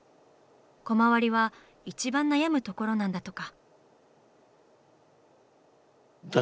コマ割りは一番悩むところなんだとか。